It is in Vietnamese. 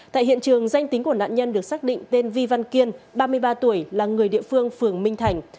tại hiện trường danh tính của nạn nhân được xác định tên vi văn kiên ba mươi ba tuổi là người địa phương phường minh thành